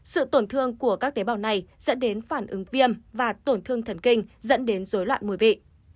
sự tổn thương của các tế bào này dẫn đến phản ứng viêm và tổn thương thần kinh dẫn đến dối loạn mùi vị